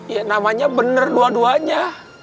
ya namanya benar dua duanya